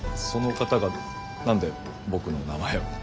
その方が何で僕の名前を。